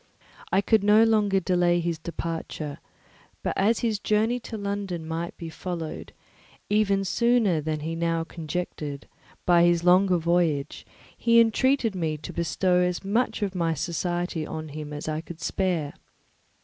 He could not any longer delay his departure; but as his journey to London might be followed, even sooner than he now conjectured, by his longer voyage, he entreated me to bestow as much of my society on him as I could spare.